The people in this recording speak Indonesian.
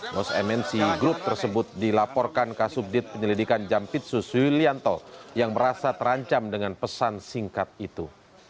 mos mnc group tersebut dilaporkan ke subdit penyelidikan jampitsus yulianto yang merasa terancam dengan pesan singkat itu